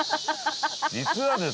実はですね